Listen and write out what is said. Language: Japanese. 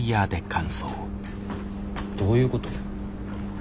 どういうこと？